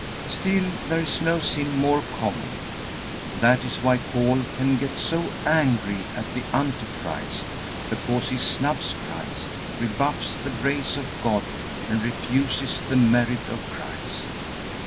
Still there is no sin more common. That is why Paul can get so angry at the Antichrist, because he snubs Christ, rebuffs the grace of God, and refuses the merit of Christ.